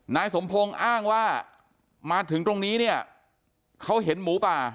นายสมพงศ์อ้างว่ามาถึงตรงนี้เนี่ยเขาเห็นหมูป่า